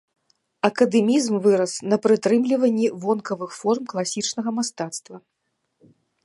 Акадэмізм вырас на прытрымліванні вонкавых форм класічнага мастацтва.